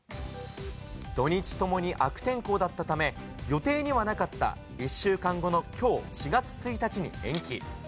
土日ともに悪天候だったため、予定にはなかった、１週間後のきょう４月１日に延期。